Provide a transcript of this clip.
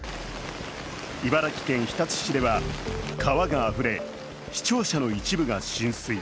茨城県日立市では川があふれ市庁舎の一部が浸水。